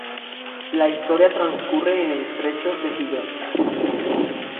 La historia transcurre en el estrecho de Gibraltar.